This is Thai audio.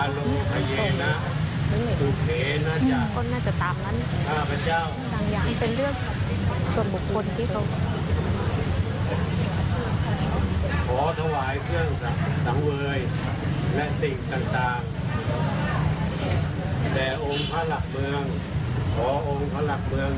และสิ่งต่างต่างแต่องค์พระหลักเมืองขอองค์พระหลักเมือง